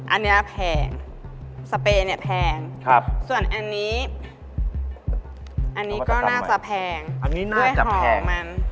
อันนี้แพงสเปย์เนี่ยแพงส่วนอันนี้อันนี้ก็น่าจะแพงด้วยหอมมัน